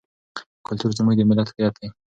کلتور زموږ د ملت هویت دی.